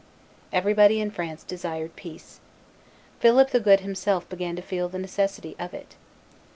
Everybody in France desired peace. Philip the Good himself began to feel the necessity of it.